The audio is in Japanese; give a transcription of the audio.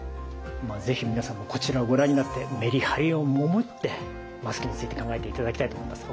是非皆さんもこちらをご覧になってメリハリを持ってマスクについて考えていただきたいと思います。